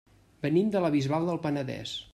Venim de la Bisbal del Penedès.